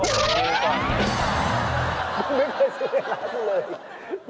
ไม่เคยซื้อร้านเลย